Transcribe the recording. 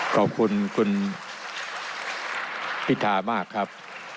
ขอบคุณคุณพิธามากครับ